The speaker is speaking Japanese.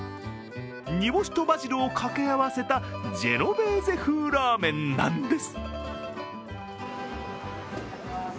煮干しとバジルを掛け合わせたジェノベーゼ風ラーメンなんです。